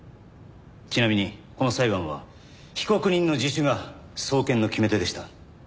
ちなみにこの裁判は被告人の自首が送検の決め手でした。